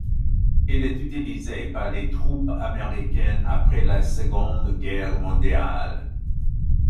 Il est utilisé par les troupes américaines après la Seconde Guerre mondiale.